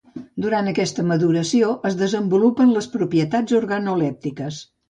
Durant aquesta maduració es desenvolupen les propietats organolèptiques.